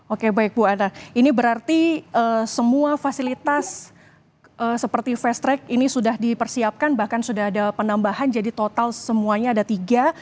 oke baik bu anta ini berarti semua fasilitas seperti fast track ini sudah dipersiapkan bahkan sudah ada penambahan jadi total semuanya ada tiga